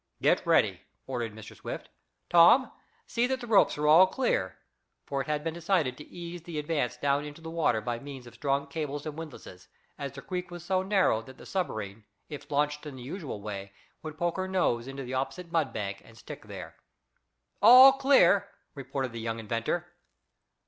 "Get ready," ordered Mr. Swift. "Tom, see that the ropes are all clear," for it had been decided to ease the Advance down into the water by means of strong cables and windlasses, as the creek was so narrow that the submarine, if launched in the usual way, would poke her nose into the opposite mud bank and stick there. "All clear," reported the young inventor.